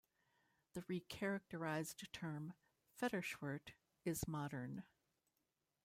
The recharacterized term "Federschwert" is modern.